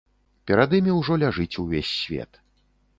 Перад імі ўжо ляжыць увесь свет.